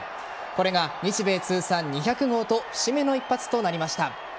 これが日米通算２００号と節目の一発となりました。